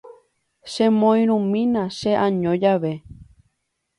Chemoirũmína che'año jave.